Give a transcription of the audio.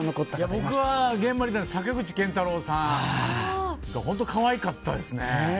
僕は現場にいたので坂口健太郎さんが本当、可愛かったですね。